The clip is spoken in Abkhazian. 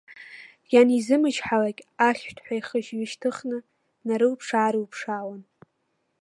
Ианизымчҳалак, ахьшәҭҳәа ихы ҩышьҭыхны, днарылаԥшаарылаԥшуан.